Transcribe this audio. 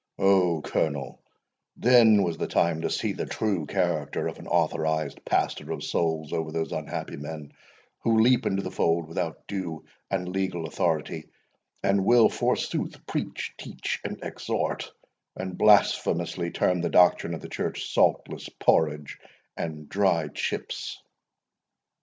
Oh! Colonel, then was the time to see the true character of an authorised pastor of souls over those unhappy men, who leap into the fold without due and legal authority, and will, forsooth, preach, teach, and exhort, and blasphemously term the doctrine of the Church saltless porridge and dry chips!"